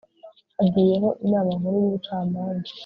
hagiyeho inama nkuru y' ubucamanza